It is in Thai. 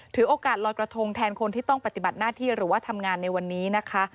ถือโอกาสลอยกระทงแทนคนที่ต้องปฏิบัติหน้าที่หรือว่าทำงานในวันนี้นะคะ